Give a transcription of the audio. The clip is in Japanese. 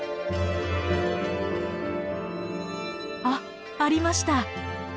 あっありました！